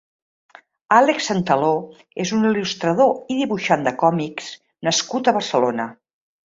Àlex Santaló és un il·lustrador i dibuixant de còmics nascut a Barcelona.